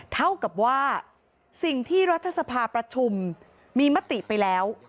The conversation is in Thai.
เท่ากับว่าสิ่งที่รัฐสภาประชุมมีมติไปแล้ว